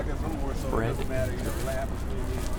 Bread and dripping.